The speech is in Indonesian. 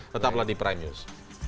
tetaplah di prime news